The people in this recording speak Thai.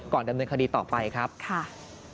ก่อนดำเนินคดีต่อไปครับค่ะค่ะ